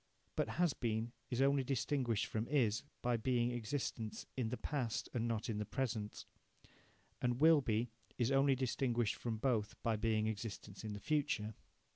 But "has been" is only distinguished from "is" by being existence in the past and not in the present, and "will be" is only distinguished from both by being existence in the future.